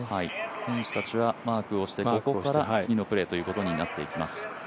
選手たちはマークをして、ここから次のプレーということになっていきます。